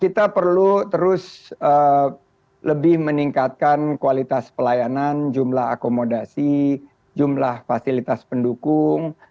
kita perlu terus lebih meningkatkan kualitas pelayanan jumlah akomodasi jumlah fasilitas pendukung